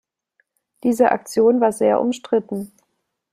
Diese Aktion war sehr umstritten.